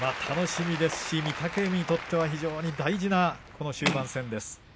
楽しみですし御嶽海にとっては大事な終盤戦です。